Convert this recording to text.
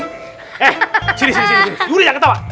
eh sini sini udah jangan ketawa